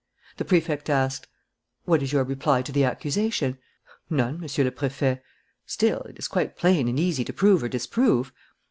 The Prefect asked: "What is your reply to the accusation?" "None, Monsieur le Préfet." "Still, it is quite plain and easy to prove or disprove."